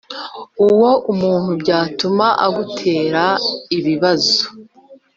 uwo umuntu byatuma agutera ibibazo.